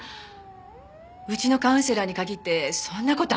うちのカウンセラーに限ってそんな事あり得ません。